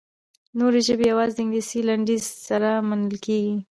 نورې ژبې یوازې د انګلیسي لنډیز سره منل کیږي.